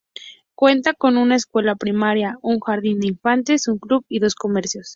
Cuenta con una escuela primaria, un jardín de infantes, un club y dos comercios.